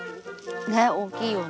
ねえ大きいよね。